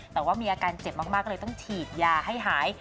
แต่ว่ามีอาการเจ็บมากเลยต้องฉีดยาให้หาย